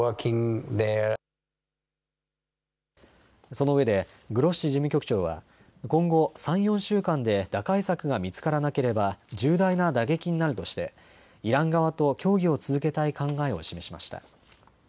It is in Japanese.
そのうえでグロッシ事務局長は今後、３、４週間で打開策が見つからなければ重大な打撃になるとしてイラン側と協議を続けたい考えを示しました。